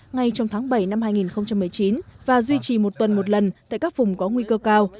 ngay trong tháng bảy năm hai nghìn một mươi chín và duy trì một tuần một lần tại các vùng có nguy cơ cao